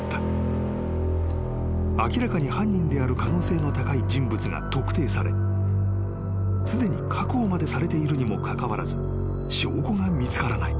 ［明らかに犯人である可能性の高い人物が特定されすでに確保までされているにもかかわらず証拠が見つからない］